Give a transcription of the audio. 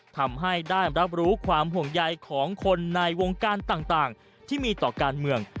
ทำให้ได้รับรู้ความห่วงใยของคนในวงการต่างที่มีต่อการเมือง